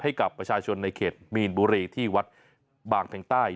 ให้กับประชาชนในเขตมีนบุรีที่วัดบางเพ็งใต้